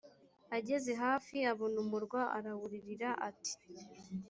ageze hafi abona umurwa arawuririra ati